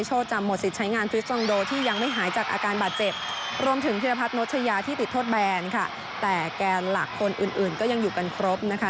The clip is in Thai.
ก็จะพัดโนชยาที่ติดโทษแบรนด์ค่ะแต่แกนหลักคนอื่นก็ยังอยู่กันครบนะคะ